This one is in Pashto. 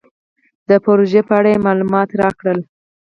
د پروژې په اړه یې مالومات راکړل.